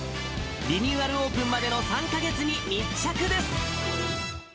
リニューアルオープンまでの３か月に密着です。